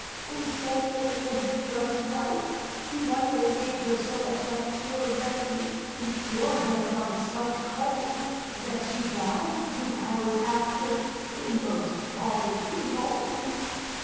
Incensed at the behaviour of his wife, he one day gave her so effectual a remedy to cure her of a slight cold, that she died two hours after, in most horrid convulsions.